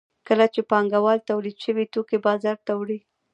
کله چې پانګوال تولید شوي توکي بازار ته وړي